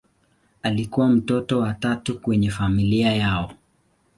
Alikuwa mtoto wa tatu kwenye familia yao.